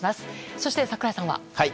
そして、櫻井さんは。